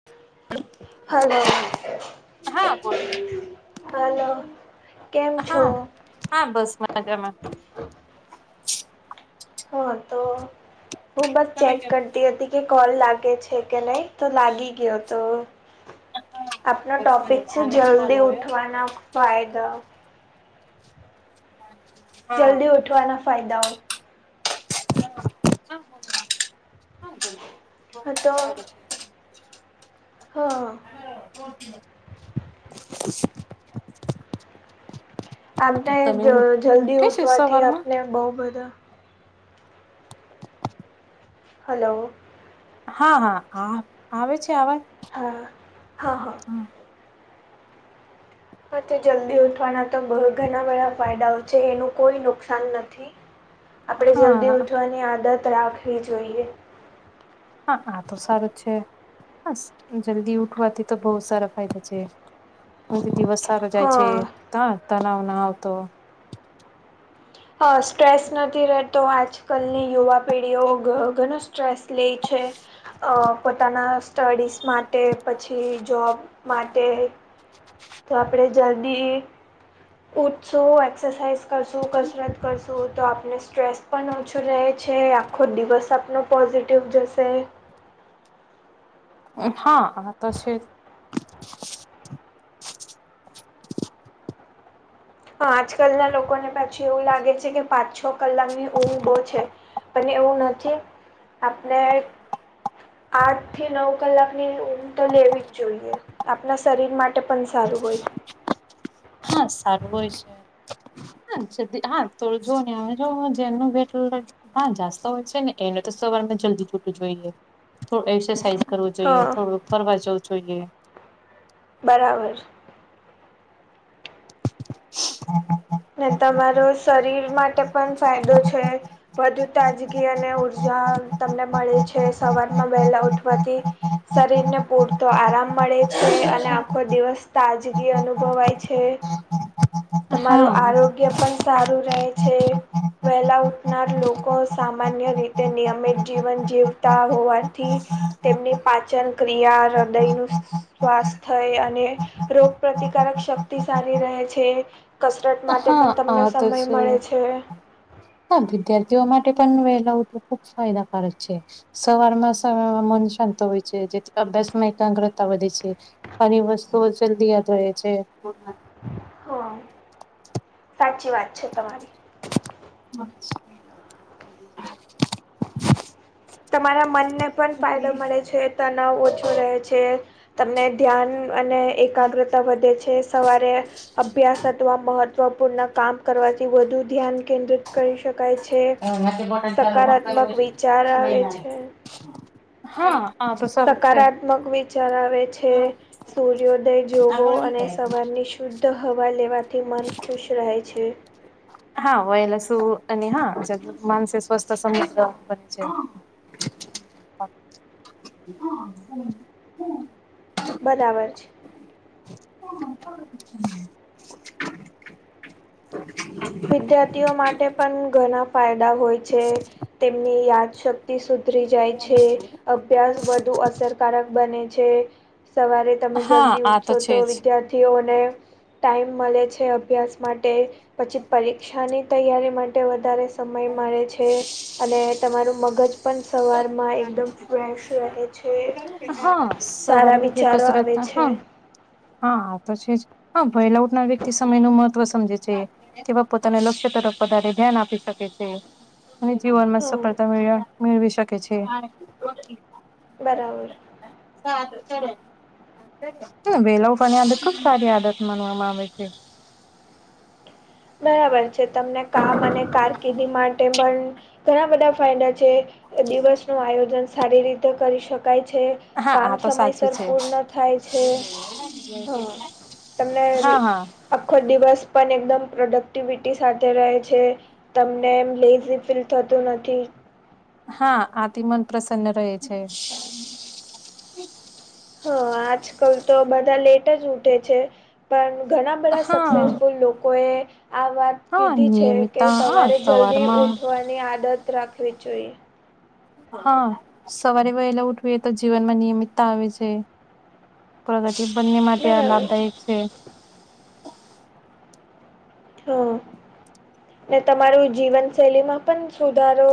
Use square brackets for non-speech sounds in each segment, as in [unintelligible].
[unintelligible] Hello હા બોલો hello. હા હા બસ મજામાં. હા તો હું બસ તમે ચેક કેમ કર છો હતી કે કોલ લાગે છે કે નહી તો લાગી ગયો તો આપનો બસ મને ટોપિક છે આવે જ કોલ જલ્દી આવ્યો ઉઠવાના ફાયદા [unintelligible] જલ્દી ઉઠવાના ફાયદાઓ હા બોલો. હા તો [unintelligible] હા. [unintelligible] આમ તેજ અ તમે જલ્દી ઉઠે છે ઉઠવાથી સવારમાં આપને બઉ બધા હલો. હા હા આવ આવે છે આવાજ. હા હા હા. આ જલ્દી ઉઠવાના તો બઉ ઘણા બધા ફાયદાઓ છે એનું કોઈ નુકસાન નથી. આપણેે જલ્દી હા ઉઠવાની આદત રાખવી જોઈએ. હા આ તો સારું છે હસ જલ્દી ઉઠવાથી તો બહુ સારા ફાયદા છે. કોઈ ભી દિવસ સારો જાય છે હા. ત તણાવ ના આવતો. હ સ્ટ્રેસ નથી રહેતો આજ કલની યુવા પેઢીઓ ઘ. સ્ટ્રેસ લી છે અ પોતાના સ્ટડીઝ માટે પછી જોબ. માટે. તો આપણેે જલ્દી ઊઠશું એક્સરસાઇઝ કરશું કસરત કરશું તો આપને સ્ટ્રેસ પણ ઓછું રહે છે આખો દિવસ આપનો પોઝિટિવ જશે. હા આતો છે જ. હ આજકાલના લોકોને પાછી એવું લાગે છે કે પાંચ છ કલાકની ઊંઘ બહુ છે. પણ એવું નથી આપણે આઠ થી નવ કલાક ની ઊગ તો લેવી જ જોઈએ. આપણા શરીર માટે પણ સારું હોય. હા સારું હોય છે. હા સુધી હા તો જો ને મે જો જેનું ભેટલ હા જાસ્તો હોય છે ને એને તો સવારમાં જલ્દી છૂટું જોઈએ થોડું એક્સરસાઇઝ કરવું જોઈએ હા થોડું ફરવા જવું જોઈએ. બરાબર. હા હા. ને તમારો શરીર માટે પણ ફાયદો છે. વધુ તાજગી અને ઉર્જા તમને મળે છે સવારમાં વહેલા ઉઠવાથી શરીરને પૂરતો આરામ મળે છે અને આખો દિવસ તાજગી અનુભવાય છે. હા મારું આરોગ્ય પણ સારું રહે છે. વહેલા ઉઠનાર લોકો સામાન્ય રીતે નિયમિત જીવન જીવતા હોવાથી તેમની પાચન ક્રિયા હૃદયનું શ્વાસ થઈ અને રોગ પ્રતિકારક શક્તિ સારી રહે છે. કસરત માટે હા પણ તમને આ તો સમય મળે છે. હા વિદ્યાર્થીઓ માટે પણ વેલા ઉઠવુ ખુબ ફાયદાકારક છે. સવારમાં સમયમાં મન શાંત હોય છે જેથી અભ્યાસમાં એકાગ્રતા વધે છે. આની વસ્તુઓ જલ્દી યાદ રહે છે. હ સાચી વાત છે તમારી. અચ્છા. તમારા મનને પણ ફાયદો મળે છે તનાવ ઓછો રહે છે. તમને ધ્યાન અને એકાગ્રતા વધે છે સવારે અભ્યાસ અથવા મહત્વપૂર્ણ કામ કરવાથી વધુ ધ્યાન કેન્દ્રિત કરી શકાય છે. હે નેચે બટન ચાલુ કર સકારાત્મક હો છે વિચાર નહી આવે હાયે. છે સકારાત્મક વિચાર આવે છે સૂર્યોદય જોવો અને સવારની શુદ્ધ હવા લેવાથી મન ખુશ રહે છે. હા વેયલા શું અને હા [inaudible] માનસ સ્વસ્થ સમૃદ બને છે હા. [inaudible] બરાબર છે. હમ [inaudible] [inaudible] વિદ્યાર્થીઓ માટે પણ ઘણા ફાયદા હોય છે તેમની યાદશક્તિ તી સુધરી જાય છે અભ્યાસ વધુ અસરકારક બને છે સવારે તમે હા જલ્દી આ ઉઠશો છે તો જ. વિદ્યાર્થીઓને ટાઈમ મળે છે અભ્યાસ માટે પછી પરીક્ષાની તૈયારી માટે વધારે સમય મળે છે અને તમારું મગજ પણ સવારમાં એકદમ ફ્રેશ રહે છે હા સારા સવારે ઉઠવી વિચારો કસરત આવે ના છે હા હા આ તો છે જ હા ભયલા ઉઠનાર વ્યક્તિ સમયનું મત ત્વ સમજે છે તેવા પોતાના લક્ષ્ય તરફ વધારે ધ્યાન આપી શકે છે અને જીવનમાં હા સફળતા મેળવી શકે છે બરાબર સારુ ચડે તો વેલા ઉઠવાની આદત ખુબ સારી આદત માનવામાં આવે છે બરાબર છે તમને કામ અને કારકિર્દી માટે પણ ઘણા બધા ફાયદા છે દિવસ નું આયોજન સારી રીતે કરી શકાય છે હા કામ આ તો સાચું સમયસર છે પૂર્ણ થાય છે હા તમને હા હા આખો દિવસ પણ એકદમ પ્રોડક્ટિવિટી સાથે રહે છે તમને એમ લેઝી ફીલ થતું નથી હા આથી મન પ્રસન્ન રહે છે હા આજ કલ તો બધા લેટ જ ઉઠે છે પણ ઘણા બધા હા સક્સેસફુલ લોકોએ આ વાત હા કીધી છે કે નિયમિતતા હા સવારે જલ્દી સવારમાં ઉઠવાની આદત રાખવી જોઈએ હા સવારે વહેલા ઉઠવીએ તો જીવનમાં નિયમિતતા આવે છે પ્રગતિ બંને માટે આ લાભદાયક છે હા ને તમારું જીવનશૈલીમાં પણ સુધારો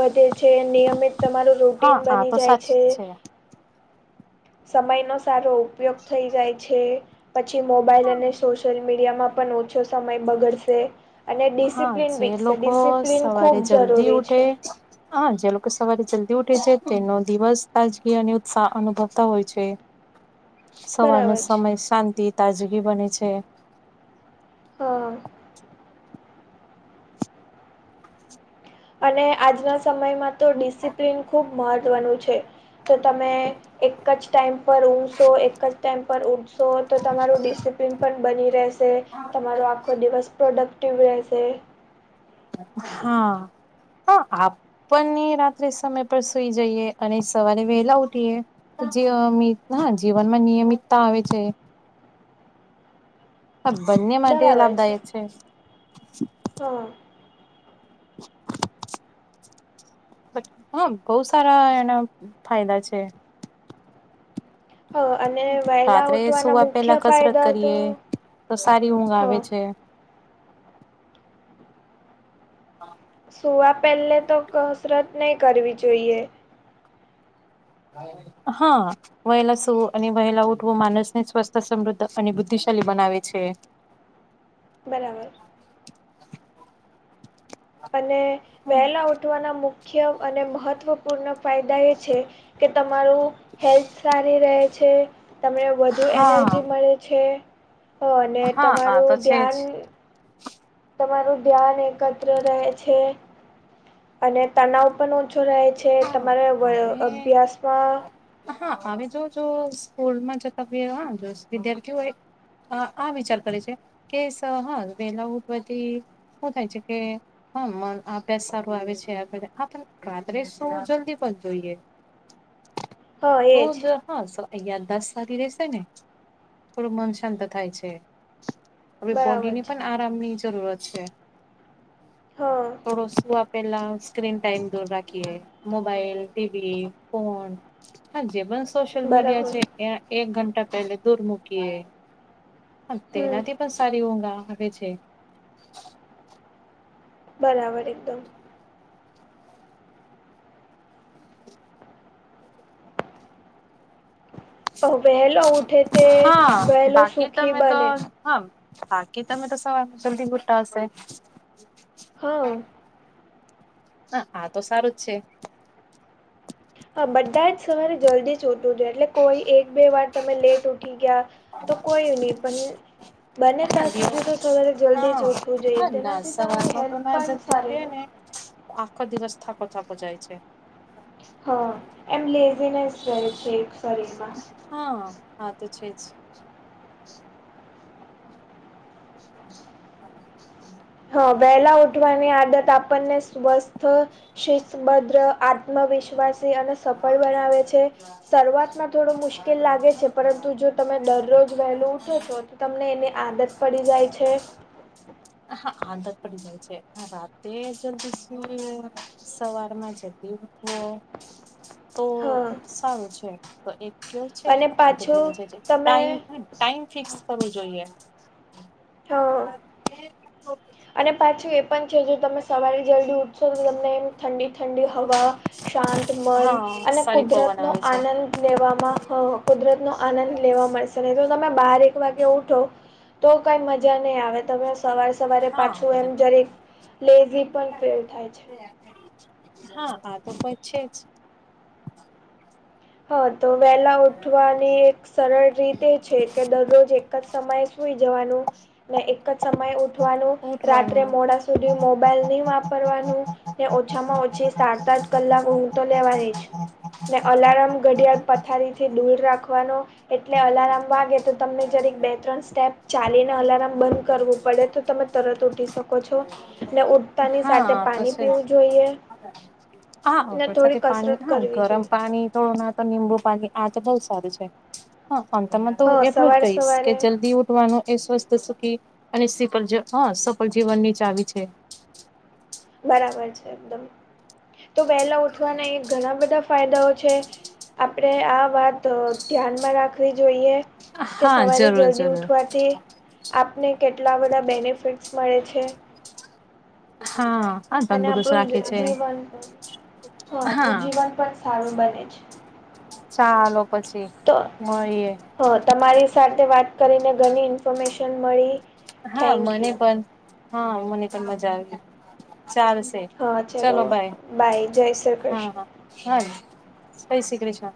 વધે છે નિયમિત તમારું હા રૂટીન આ બની તો જાય સાચી છે જ સમયનો સારો ઉપયોગ થઈ જાય છે પછી મોબાઈલ અને સોશિયલ મીડિયામાં પણ ઓછો સમય બગડશે અને હા ડિસિપ્લિન જે વિકસે લોકો ડિસિપ્લિન ખૂબ સવારે જલ્દી જરૂરી ઉઠે છે હા જે લોકો સવારે જલ્દી ઉઠે છે તેનો દિવસ તાજગી અને ઉત્સાહ અનુભવતા હોય છે સવારનો બરાબર છે સમય શાંતિ તાજગી બને છે હા અને આજના સમયમાં તો ડિસિપ્લિન ખૂબ મહત્વનું છે તો તમે એક જ ટાઈમ પર ઊંધશો એક જ ટાઈમ પર ઊઠશો તો તમારું ડિસિપ્લિન પણ બની રહેશે તમારો આખો દિવસ પ્રોડક્ટિવ રહેશે હા હ આપ પણ રાત્રે સમય પર સુઈ જઈએ અને સવારે વહેલા ઉઠીએ જીવમી હા જીવનમાં નિયમિતતા આવે છે [inaudible] હ બંને માટે લાભદાયક છે હા [inaudible] હા બહુ સારા એના ફાયદા છે હ અને વહેલા રાત્રે ઉઠવાના સુવા મુખ્ય પેલા કસરત ફાયદા તો કરીએ તો સારી ઊંઘ આવે હા છે હા સુવા પહેલે તો કસરત નહી કરવી જોઈએ હા વહેલા સૂવું અને વહેલા ઉઠવું માનસને સ્વસ્થ સમૃદ્ધ અને બુદ્ધિશાલી બનાવે છે બરાબર અને વહેલાં ઉઠવાના મુખ્ય અને મહત્ત્વ પૂર્ણ ફાયદા એ છે કે, તમારું હેલ્થ સારી રહે છે, તમને વધુ હા એનર્જી મળે છે. હ, અને હા આ તમારું તો છે જ ધ્યાન. તમારું ધ્યાન એકત્ર રહે છે, અને તનાવ પણ ઓછો રહે. જે તમારે હા હવે અભ્યાસમાં. હા, હ, જો જો સ્કૂલમાં જતા, હ, જો વિદ્યાર્થીઓ. આ વિચાર કરે છે કે, હા, વેલાવટ બધી શું થાય છે કે, હમ, અભ્યાસ સારું આવે છે, આ બધા આપ રાત્રે. તો જલ્દી પણ જોઈએ હા તો. એજ હા, અહીંયા દત સારી રહેશે ને, થોડું મન શાંત થાય છે. હવે, બરાબર બોડીની છે પણ આરામની જરૂરત છે. હા. થોડો શું આપ, પેલા સ્ક્રીન ટાઈમ દૂર રાખીએે. મોબાઈલ ટીવી ફોન હ, જે પણ સોશિયલ મીડિયા બરાબર છે એ. એક ઘંટા પહેલે દૂર મૂકીએ, હમ તેનાથી બ સારી હોંગા હવે છે. બરાબર એકદમ. વહેલો ઉઠે તે હા, વહેલો બાકી સુખી તમે તો બને હા, બાકી તમે તો સવાર જલ્દી મોટા હશે. હા. હ, આ તો સારું જ છે. હા, બધા જ સવારે જલ્દી ઉઠવું જોઈએ, એટલે કોઈ એક બે વાર તમે લેટ. ઠીક, તો કોઈ નો પણ. બને હા ત્યાં સુધી દિવસ તો સવારે જલ્દી હા જ ઉઠવું જોઈએ, હા ના તેનાથી તમારી સવારમાં તો હેલ્થ ના પણ જલ્દી સારી ઉઠીએ હોય. ને આખો દિવસ થાકો-થાકો જાય છે. હા, એમ લેઝીનેસ રહે છે, એક શરીરમાં હા. હા, તો છે જ. હમ. હા. હા, વહેલા ઉઠવાની આદત આપણને સ્વસ્થ. શિભદ્ર, આત્મવિશ્વાસી અને સફળ બનાવે છે, શરૂઆતમાં થોડો મુશ્કેલ લાગે છે, પરંતુ જો તમે દરરોજ વહેલું છો, તો તમને એની આદત પડી જાય છે. હા, આદત પડી જાય છે, રાતે જ દશું સવારમાં જ. દવ [unintelligible] તો હા સારું છે, તો એક છે, અને આદત બની, પાછું જ તમે ટાઈમ. ટાઈમ ફિક્સ કરવું જોઈએ. હ અને પાછું એ પણ છે, જો તમે સવારે જલ્દી ઉઠશો, તો તમને એમ ઠંડી ઠંડી હવા. શાંત મન હા અને સારી પવન કુદરત નો આવે છે આનંદ. લેવામાં, કુદરતનો આનંદ લેવા મળશે ને, જો તમે બાર એક વાગે ઉઠો. કઈ મજા નહીં આવે, તમે સવારે સવારે પાછું એમ, હા જરેક લેઝી પણ ફીલ થાય છે. હા, હા, તો પ છે જ. હા, તો વહેલા ઉઠવાની એક સરળ રીતે છે, કે દરરોજ એક એક જ સમયે સુઈ જવાનું ને, એક જ સમયે. વાનું, રાત્રે ઉઠવાનું મોડા સુધી મોબાઈલ નહીં વાપરવાનું. ને ઓછામાં-ઓછી, સાત-આઠ કલાક ઊંઘ તો લેવાની છે, ને અલાર્મ ઘડિયાળ પથારીથી દૂર રાખવાનો. એટલે અલાર્મ વાગે તો, તમને જરીક બે-ત્રણ સ્ટેપ ચાલીને, અલાર્મ બંધ કરવું પડે, તો તમે. તરત ઉઠી શકો છો ઉડતાની સાથે હા તો પાણી છે જ પીવું જોઈએ. હા ને વરસાદી થોડી પાણી કસરત હા કરવી જોઈએ ગરમ પાણી થોડું ના તો લીબુ પાણી આ તો બઉુ સારું છે. હા અ તમન તો હ એટલું જ સવાર કહીશ કે સવારે જલ્દી ઉઠવાનું એ સ્વસ્થ તો સુખી અને સીલ સફલ જીવનની ચાવી છે. બરાબર છે એકદમ તો વહેલા ઉઠવાના એ ઘણા બધા ફાયદાઓ છે. આપણે આ વાત ધ્યાનમાં રાખવી જોઈએ. કે હા સવારે જરૂર જલ્દી જરૂર ઉઠવાથી આપને કેટલા બધા બેનિફિટ્સ મળે છે. હા. હા અને તંદુરસ્ત આપણું રાખે છે જીવન હ હા આપણું જીવન પણ સારું બને છે. ચાલો પછી તો મળીએ હ તમારી સાથે વાત કરીને ઘણી ઇન્ફોર્મેશન મળી. હા થેન્ક મને યુ પણ હા મને પણ મજા આવી ચાલ ચલો બાય બાય જય શ્રી હા કૃષ્ણ હા હા જય શ્રી કૃષ્ણ.